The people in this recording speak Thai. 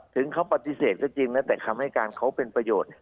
ถึงเขาปฏิเสธก็จริงนะแต่คำให้การเขาเป็นประโยชน์